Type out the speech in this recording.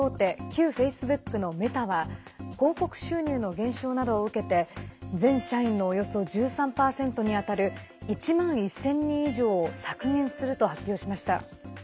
旧フェイスブックのメタは広告収入の減収などを受けて全社員のおよそ１３％に当たる１万１０００人以上を削減すると発表しました。